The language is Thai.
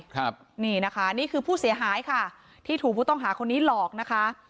ครับนี่นะคะนี่คือผู้เสียหายค่ะที่ถูกผู้ต้องหาคนนี้หลอกนะคะ